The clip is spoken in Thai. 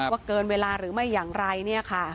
ว่าเกินเวลาหรือไม่อย่างไรค่ะ